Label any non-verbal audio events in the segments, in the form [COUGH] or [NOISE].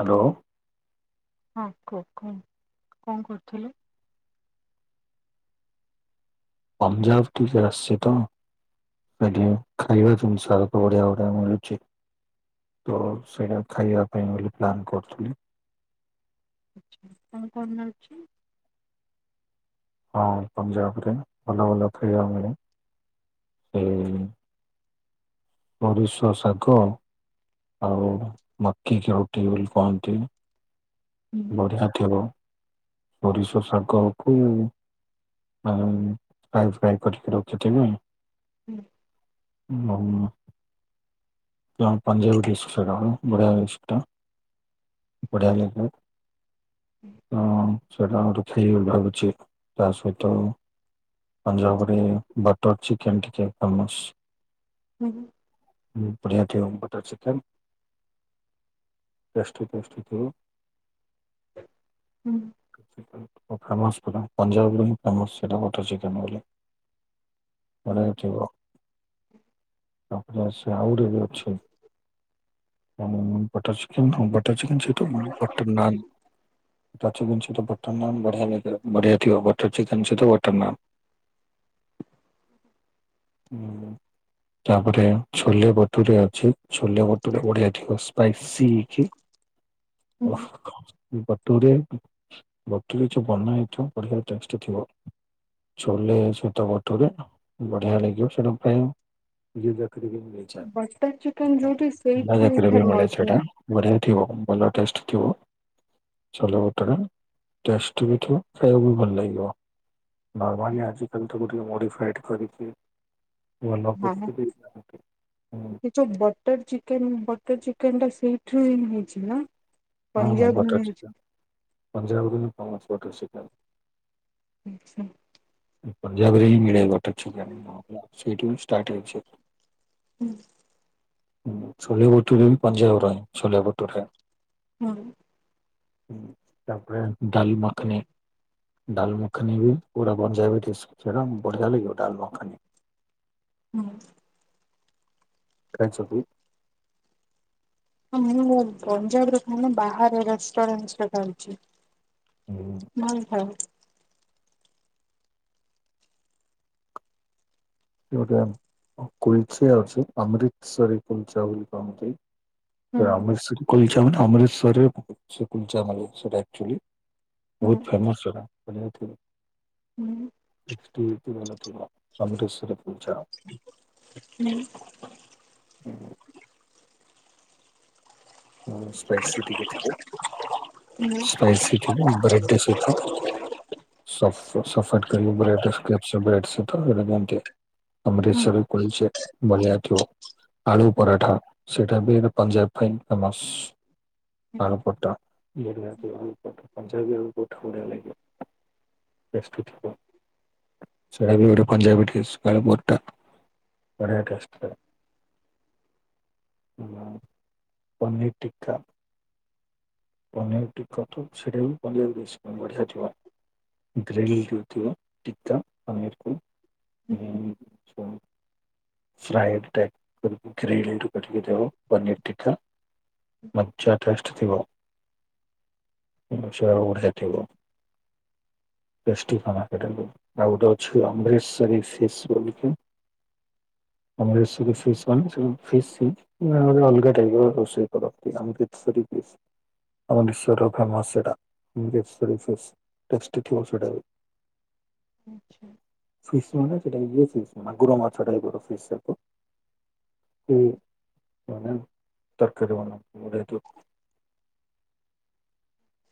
Hello. ହଁ, କୁହ, କୁହନ୍ତୁ, କଣ କରୁଥିଲେ? ପଞ୍ଜାବ [UNINTELLIGIBLE] ଆସଛି ତ। ସେଠି ଖାଇବା ଜିନିଷ ଆକ ବଢ଼ିଆ ବଢ଼ିଆ ମିଳୁଛି। ତ ସେଇଟା ଖାଇବା ପାଇଁ ବୋଲି ପ୍ଲାନ୍ କରୁଥିଲି। ଆଚ୍ଛା, କଣ, କଣ ମିଳୁଛି? ହଁ, ପଞ୍ଜାବରେ ଭଲ ଭଲ ଖାଇବା ମିଳେ। ଏ ସୋରିଷ ଶାଗ ଆଉ ମକି କି ରୁଟି ବୋଲି କୁହନ୍ତି। ବଢ଼ିଆ ଥିବ, ସୋରିଷ ଶାଗ କୁ ଫ୍ରାଇ ଫ୍ରାଇ କରିକି ରଖିଥିବେ। ହୁଁ। [UNINTELLIGIBLE] ପଞ୍ଜାଵୀ ଡ଼ିସ୍‌ ସେଟା, ବଢ଼ିଆ ଡ଼ିସ୍‌ଟା, ବଢ଼ିଆ ଲାଗେ। ହୁଁ। ସେଇଟା ଆମର [UNINTELLIGIBLE] ଭାବୁଛି, ତା ସହିତ ପଞାବ ରେ ବଟର୍ ଚିକେନ୍ ଟିକେ ଫେମସ୍।। ହୁଁ ହୁଁ [INAUDIBLE] ବଢ଼ିଆ କି ହବ ବଟର୍ ଚିକେନ୍ କଷ୍ଟ ପଷ୍ଠିତ [INAUDIBLE] ହୁଁ। ପ ଫେମସ୍ ପୁରା ପଞ୍ଜାବ ବୋଲି ଫେମସ୍ ସେଇଟା ବଟର୍ ଚିକେନ୍ ବୋଲି ବଲ ଠିକ [INAUDIBLE] ଆପଣ ସେ ଆଉଡେ ବି ଅଛି ଉଁ ବଟର୍ ଚିକେନ୍ ବଟ୍ ବଟର୍ ଚିକେନ୍ ସେଟୁ ବଟ୍ ନାନ୍ ବଟର୍ ଚିକେନ୍ ସଇତ ବଟର୍ ନାନ୍ ବଢିଆ ଲାଗେ ବଢ଼ିଆ ଥିବ ବଟର୍ ଚିକେନ୍ ସଇତ ବଟର୍ ନାନ୍ ହୁଁ [INAUDIBLE] ତାପରେ ଛୋଲେ ବଟୁୁରେ ଅଛି ଛୋଲେ ବଟୁୁରେ ବଢିଆ ଥିବ ସ୍ପାଇସି ହେକି [INAUDIBLE] ଟୁରେ ବତୁରେ ଯୋଉ ବନା ହେଇଥିବ ବଢିଆ ଟେଷ୍ଟ୍ ଥିବ। ଛୋଲେ ସଇତ ବଟୁରେ ବଢିଆ ଲାଗିବ ସେଇଟା ପ୍ର ଜକ ବି ମିଳେଛ ବଟର ଚିକେନ ଯୋଉଠି ସେଇଠୁ ହିଁ ଜକ ବି ମିଳେ ଫେମସ ନା? ଛୋଟା [INAUDIBLE] ବଢିଆ ବି ଥିବ ଭଲ ଟେଷ୍ଟ୍ ଥିବ ଛୋଲେ ବଟୁରେ ଟେଷ୍ଟ୍ ବି ଥିବ ଖାଇବାକୁ ବି ଭଲ ଲାଗିବ। ନର୍ମାଲି ଆଜିକାଲି ତାକୁ ଟିକେ ମୋଡିଫାଇଡ୍ କରିକି ଭଲ ହଁ କରିକି ହ ଦେଇଥାନ୍ତି ହୁଁ ଏ ଯୋଉ ବଟର୍ ଚିକେନ୍ ବଟର୍ ଚିକେନ୍ ଟା ସେଇଠି ରୁ ହିଁ ହେଇଚି ନା? ହଁ ହଁ ପଞ୍ଜାବରୁ ବଟର୍ ହେଇଛି। ଚିକେନ୍ ପଞ୍ଜାବରୁ ହିଁ ଫେମସ୍ ବଟର୍ ଚିକେନ୍। ଆଚ୍ଛା [INAUDIBLE] ପଞାବ ରେ ହିଁ ମିଳେ ବଟର୍ ଚିକେନ୍ ସେଇଟୁ ଷ୍ଟାଟ୍ ହେଇଚି ହୁଁ। ଛୋଲେ ବଟୁରେ ବି ପଞାବର ଛୋଲେ ବଟୁରେ ହଁ। ତାପରେ ଦାଲ୍ ମଖ୍ ନି ଡାଲ୍ ମଖ୍ ନି ବି ପୁରା ପଞ୍ଜାବରେ ଏବେଟିସ୍ ଖର [INAUDIBLE] ବଢିଆ ଲାଗିବ ଡାଲ୍ ମଖାନି ହଁ। କ ସ [INAUDIBLE] ହଁ ମୁଁ ପଞ୍ଜାବ ରେ ଖାଇନି ବାହାରେ ରେଷ୍ଟରାନ୍ସ୍ ରେ ଖାଉଚି। ଭଲ ଭଲ [INAUDIBLE] ଗୋଟେ କୁଲ୍ ଚେ ଅଛି ଅମୃତସରୀ କୁଲ୍ ଚା ବୋଲି କହନ୍ତି। ସେ ହୁଁ ଅମୃତସରୀ କୁଲ୍ ଚା ମାନେ ଅମୃତସରୀ ସେ କୁଲ୍ ଚା ମାନେ ସେଟା ଆକ୍ଚୁଆଲି ହୁଁ ବହୁତୁ ଫେମସ୍ ସେରା ମରେ ପୂଚ ହୁଁ [INAUDIBLE] ଅମୃତିସର କୁଲ୍ ଚା। ହୁଁ ହୁଁ ସ୍ପାଇସି ଟିିକେ ଥିବ ହୁଁ। ସ୍ପାଇସି ଥିବ ବେରାଇଟି୍ ସଇଥ ସ ସଫର କର ବ୍ରକପ ବ ସେ [INAUDIBLE] ଅମ୍ରିତ୍ ହୁଁ ସର ରେ କୁଲ୍ ଚା ବଢିଆ ଥିବ ଆଳୁ ପରାଠା ସେଟା ବି ଏଟା ପଞ୍ଜାବ ପାଇଁ ଫେମସ୍ ଆଳୁ ପଟା ଇଏତି ଆଳ ପଠ ପଞ୍ଜାବୀ ଆଳ ପଠ ବଡ଼ ଲାଗେ ବ୍ୟସ୍ତ ଥିବ [INAUDIBLE] ସେଡା ବି ଗୋଟେ ପଞ୍ଜାବୀ ଟେସ୍ ଆଳୁ ପରଟା ବଢ଼ିଆ ଟେଷ୍ଟ୍। ପନୀ ଟିକା ପନିର ଟିକ ସେଇଟା ବି ପନିରେଶ ବଢିଆ ଥିବ ଗ୍ରିଲ ଯଉତିିବ ଟତା ପାେରକୁ ହୁଁ। [INAUDIBLE] ଫ୍ରାଇଡ଼ ଟ କରିକ ଗ୍ରେଭି ରୁ କରିକି ଦେବ ପନିର ଟିକକା [INAUDIBLE] ମଜ୍ଜା ଟେଷ୍ଟ ଥିବ ସେଆବ ଖେଟିବ ଟେଷ୍ଟି ଖାନା ଫେଟିବ [INAUDIBLE] ଆଉଗୋଟେ ଅଛି ଅମୃତସରୀ ଫେସ୍ ବୋଲକ ଆମର ସୁ ଫିସ୍ାନୁ ଫି ସି [INAUDIBLE] ନା ଅଲଗା ଟାଇପର ରୋଷେଇ କର ଆମ ଆମ ବିଶ୍ୱର ଫେମସ ସେଇଟା ସେଟା ବି [INAUDIBLE] ଆଚ୍ଛା। ଫିସ୍ ମାନେ ସେଇଟା ଇଏ ଫିସ୍ ମାନ ମାଗୁର ମାଛ ଟାଇପର ଫିସ୍ ଟାଇପ୍ ମାନେ ତରକାରୀ ବ କଡ଼ [UNINTELLIGIBLE]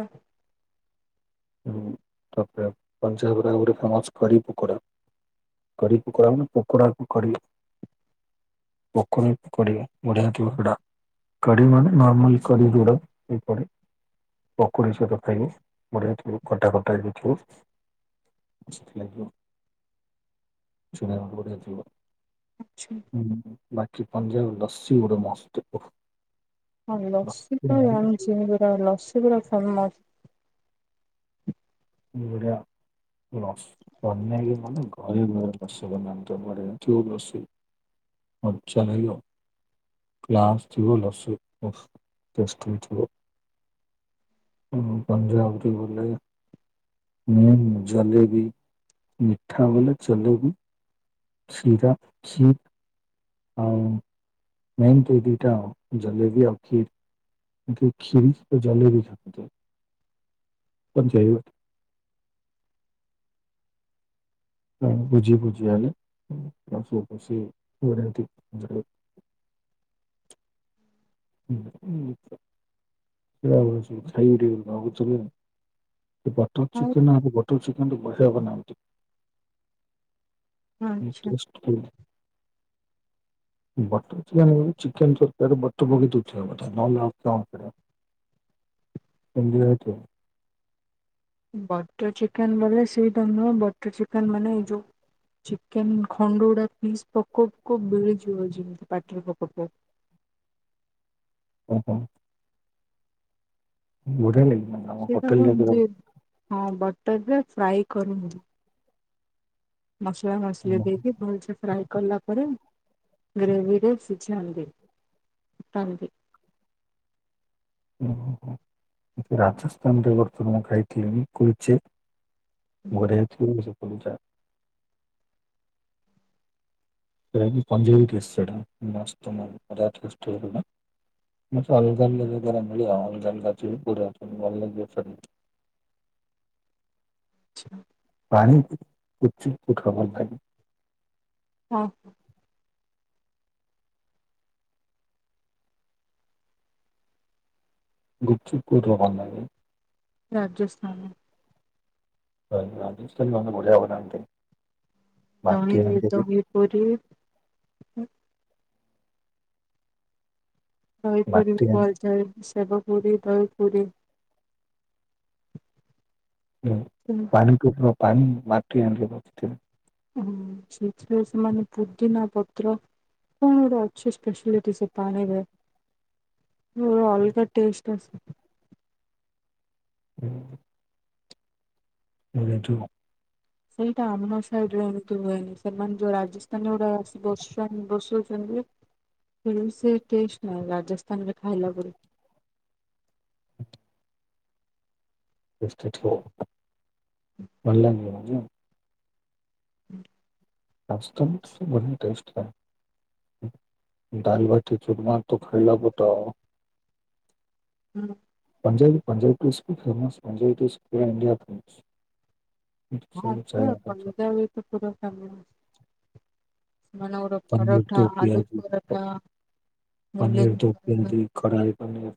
ହଁ ତାପରେ ପଞ୍ଜାବର ଗୋଟେ ଫେମସ୍ କଢ଼ି ପକୋଡ଼ା। କଡି ପୋକଡା ମାନେ ପୋକୋଡା କୁ କଡି ପୋକୋଡା କୁ କଡ଼ିବ ବଢିଆ ଥିବ ସେଟା। କଡି ମାନେ ନର୍ମାଲ କଢି ଯୋଉଡ଼ା ସେପ [INAUDIBLE] ପକୁଡି ସହିତ ଖାଇବ ବଢିଆ କଟା କଟା ହେ ଦେଖିବ ସେିବ [UNINTELLIGIBLE] ଆଚ୍ଛା ହୁଁ ବାକି ପଞାବି ଲସି ଗୋଟେ ମସ୍ତ ହ ଲସି ତ ଜାଣିଛି ଲସି ଗୁଡା ଫେମସ୍ ଏଟ ଲ ବନକ ମାନ [UNINTELLIGIBLE] ଆାର ମ ବସ ବନ୍ତ ବ ୁ ବଷୀ ମଜଲ [UNINTELLIGIBLE] ଗ୍ରାସ୍ ଥିବ ଲସି ଓ ହୋ ଟେଷ୍ଟଥିବ। ପଞାବୀ ବଲେଇ [INAUDIBLE] ମୁ ଜଲେବି। ମିଠା ବଲେ ଜଲେବି। ଖିରା ଖି [INAUDIBLE] ଆଉ ମେନ୍ କ୍ରି ଦିଟା ଆଉ ଜଲେବି ଆଉ ଖିର୍। ଖୀରି ଜଲେବି ପ ଯାଇ ଭୁଜି ଭୁଜୟଲି ପ୍ସୁପସି ଗରେତି [INAUDIBLE] ହୁଁ ହୁଁ ସେଇଟା ଖାଇଠ ଆହୁ ସେ [UNINTELLIGIBLE] ବଟର ଚିକେନ ଆଉ ବଟର ଚିକେନ ବଢିଆ ବନାନ୍ତି। ହଁ ଆଚ୍ଛା ବଟର୍ ଚିକେନ ଚିକେନ୍ ଚକଟା ବ କିିତ ନଲେ କେରେମ [INAUDIBLE] ବଟର ଚିକେନ ବଲେ ସେଇଟା ନୁହଁ ବଟର ଚିକେନ ମାନେ ଏଇ ଯୋଉ ଚିକେନ ଖଣ୍ଡଗୁଡା ପିସ୍ ପକୋଉ ପକୋଉ ଗିଳିଯିବ ଯେମିତି ପାଟିର ପକୋ ପ ଓ ହୋ ବଢ଼ିଆ ଲାଗେ ହଁ ବଟର ରେ ଫ୍ରାଏ କରନ୍ତୁ। ମସଲା ମସଲି ଓହୋ। ଦେଇକି ଭଲସେ ଫ୍ରାଏ କଲା ପରେ, ଗ୍ରେଭିରେ ସିଝାନ୍ତି। ଫୁଟାନ୍ତି। ହଁ ହଁ ରାଜସ୍ଥାନରେ ବର୍ତ୍ତମାନ ମୁଁ ଖାଇଥିଲି ମୁଁ କହୁଛି ଘରେ [UNINTELLIGIBLE] [UNINTELLIGIBLE] ମୁଁ ସେ ଅଲଗା ଅଲଗା ଜରିଆରେ ମିଳିବ ଅଲଗା ଅଲଗା ଅଛି କୋଉଟା [UNINTELLIGIBLE] [UNINTELLIGIBLE] ପାଣି ଉଚିତ ଉଠାବାର ଲାଗି ହଁ। ଗୁପ ଚୁପ କିଉଠୁ। [UNINTELLIGIBLE] ରାଜସ୍ଥାନ। ହ ରାଜସ୍ଥାନି ମାନେ ବଢ଼ିଆ ବନାନ୍ତି। ମାଟି ଦହି ହାଣ୍ଡିରେ ଦହି ପୁରି। ଦହିପୁରୀ ମାଟି ବି ହାଣ୍ଡି [UNINTELLIGIBLE] ସେବ ପୁରୀ, ଦହି ପୁରୀ। ହୁଁ। ହୁଁ। ପାଣି ଟୋକିଓ ପାଣି ମାଟି [UNINTELLIGIBLE] ବସିଥିବେ। ହୁଁ ସେଇଥି ପାଇଁ ସେମାନେ ପୁଦିନା ପତ୍ର କଣ ଗୋଟେ ଅଛି ସ୍ପେସିଆଲିଟି ସେ ପାଣିରେ। ହଁ ଅଲଗା ଟେଷ୍ଟ ଆସେ। ହୁଁ। [UNINTELLIGIBLE] ସେଇଟା ଆମ ସାଇଡରେ ଏମିତି ହୁଏନି। ସେମାନେ ଯୋଉ ରାଜସ୍ଥାନର ଗୋଟେ ବସଷ୍ଟାଣ୍ଡ ବସଉଛନ୍ତି। ସେ ଟେଷ୍ଟ ନାଇଁ ରାଜସ୍ଥାନରେ ଖାଇଲା ପରି। [UNINTELLIGIBLE] ହୁଁ। [UNINTELLIGIBLE] ବଢିଆ ଟେଷ୍ଟ ପାଇଁ। ଦାଲ ବାଟି ଚୁୁରମା ତ ଖାଇଲା ପ [UNINTELLIGIBLE] ହୁଁ। ପଞ୍ଜାବି ପଞ୍ଜାବି ଟେଷ୍ଟ ବି ଫେମସ। ପଞ୍ଜାବୀ ଟେଷ୍ଟ ପାଇଁ ଇଣ୍ଡିଆ ଫେମସ। ହଁ ତ ପଞ୍ଜାବୀ ତ ପୁରା [UNINTELLIGIBLE] ପନିର ପରଠା, ଟୋପି ଆଲୁ ଆଜି ପରାଠା, ମୁଲି କି ପରଠା। କଢାଇ ପନିର।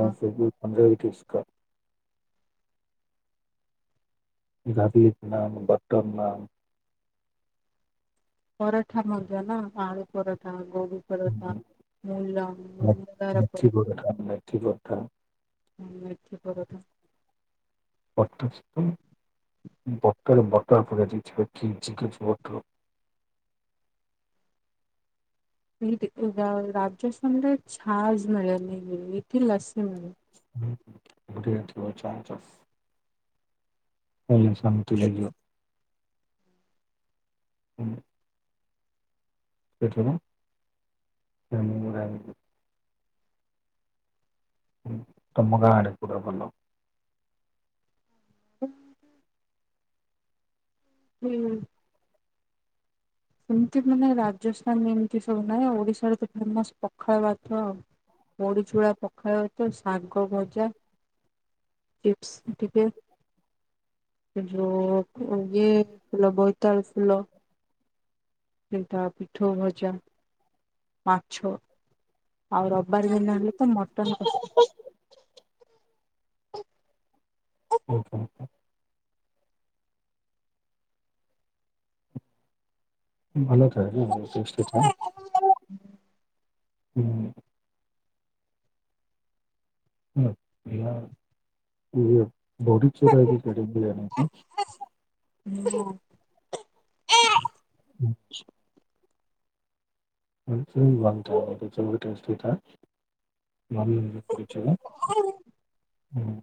ହଁ ଇରାବିକ ନାନ, ବଟ୍ଟର ନାନ। ପରାଠା ମଧ୍ୟ ନା, ଆଳୁ ପରାଠା, ଗୋଭି ପରଠା, ମୂଳା [UNINTELLIGIBLE] ପରାଠା। ଖା ନାଇଁ। [UNINTELLIGIBLE] ହୁଁ ମେଥି ପରଠା। ବଟର [UNINTELLIGIBLE] [UNINTELLIGIBLE] ରାଜସ୍ଥାନରେ ଛାଜ ମିଳେନି ଏଠି ଲସି ମିଳେ। [UNINTELLIGIBLE] ଆମକୁ ଶାନ୍ତି ଲାଗିବ। ହୁଁ। ସେଠ [UNINTELLIGIBLE] ତମ ଗାଁ ଆଡ଼େ ପୁରା ଭଲ। [INAUDIBLE] ହୁଁ। ସେମିତି ମାନେ ରାଜସ୍ଥାନ ଏମିତି ସବୁ ନାହିଁ ଓଡିଶାରେ ତ ଫେମସ ପଖାଳ ଭାତ ଆଉ। ବଡ଼ି ଚୁଳା ପଖାଳ ଭାତ ଶାଗ ଭଜା ଚିପ୍ସ ଟିକେ। ଦେଖିଓ ଇଏ ଫୁଲ ବୋଇତାଳୁ ଫୁଲ। ସେନ୍ତା ପିଠଉ ଭଜା। ମାଛ ଆଉ ରବିବାର ଦିନ ହିଁ ତ ମଟନ୍ କସା। ଓହୋ। ଭଲ ଖାଇବା ଟେଷ୍ଟ ଅଛିନା ହୁଁ। ହଁ ବଡି ଚୁରା ନ [UNINTELLIGIBLE] ହୁଁ। [INAUDIBLE] [UNINTELLIGIBLE] [INAUDIBLE] ହୁଁଁ।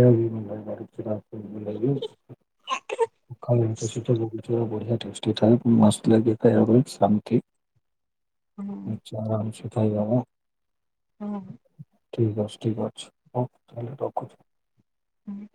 ଆମର ବଡିଚୁରା [UNINTELLIGIBLE] ବଢିଆ [UNINTELLIGIBLE] [UNINTELLIGIBLE] ହୁଁ। ଆରାମ ସେ ଖାଇବା ଆ। ହୁଁ। ଠିକ ଅଛି, ଠିକ ଅଛି ହଉ ତାହଲେ ରଖୁଚି। ହୁଁ।